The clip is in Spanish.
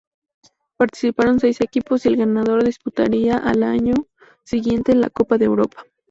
Participaron seis equipos, y el ganador disputaría al año siguiente la Copa de Europa.